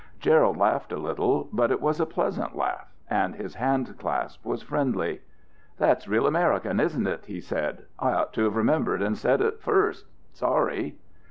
Gerald laughed a little, but it was a pleasant laugh, and his hand clasp was friendly. "That's real American, isn't it?" he said. "I ought to have remembered and said it first. Sorry."